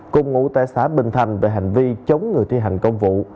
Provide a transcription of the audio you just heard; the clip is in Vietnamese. cùng ngụ tại xã bình thành về hành vi chống người thi hành công vụ